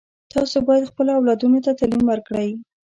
تاسو باید خپلو اولادونو ته تعلیم ورکړئ